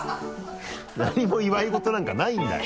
何も祝い事なんかないんだよ。